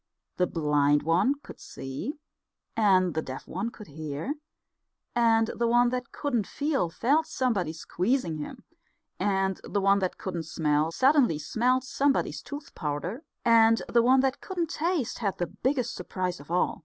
The blind one could see; and the deaf one could hear; and the one that couldn't feel felt somebody squeezing him; and the one that couldn't smell suddenly smelt somebody's tooth powder; and the one that couldn't taste had the biggest surprise of all.